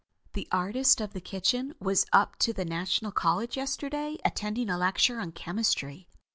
The artist of the kitchen was up to the National College yesterday attending a lecture on chemistry.